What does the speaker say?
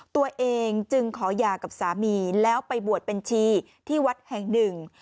ตัวเองจึงขอหย่ากับสามีแล้วไปบวชบัญชีที่วัดแห่งหนึ่ง